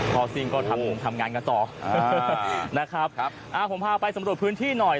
พอซิ่งก็ทำคงทำงานกันต่อนะครับครับอ่าผมพาไปสำรวจพื้นที่หน่อย